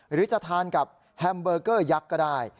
หรือจะทานกับแฮมเบอร์เกอร์ยักษ์ก็ได้